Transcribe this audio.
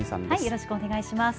よろしくお願いします。